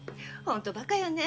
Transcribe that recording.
本当バカよね。